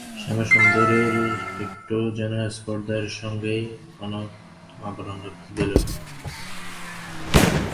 শ্যামাসুন্দরী একটু যেন স্পর্ধার সঙ্গেই কোনো আর আবরণ রাখতে দিলে না।